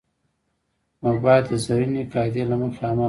نو باید د زرینې قاعدې له مخې عمل وکړي.